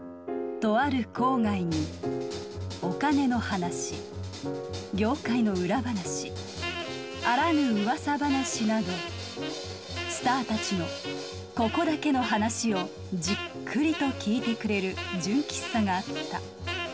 とある郊外にお金の話業界の裏話あらぬ噂話などスターたちのここだけの話をじっくりと聞いてくれる純喫茶があった。